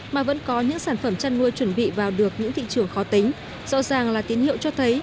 mà vẫn có những sản xuất như kiểu vừa qua nữa